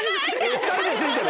２人でついてる！